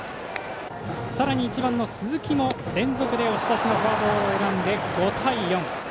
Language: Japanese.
さらに１番の鈴木も連続で押し出しのフォアボールを選んで５対４。